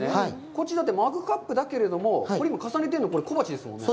こっち、マグカップだけれども、これ今重ねてるの小鉢ですよね。